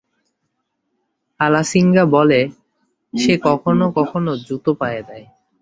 আলাসিঙ্গা বলে, সে কখনও কখনও জুতো পায়ে দেয়।